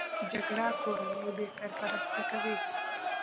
جګړه کورنۍ بې سرپرسته کوي